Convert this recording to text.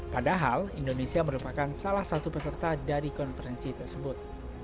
padahal indonesia merupakan salah satu peserta dari konferensi tersebut